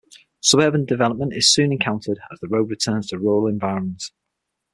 Suburban development is soon encountered as the road returns to rural environs.